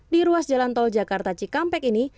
di ruas jalan tol jakarta cikampek ini